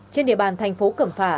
trên địa bàn thành phố cẩm phả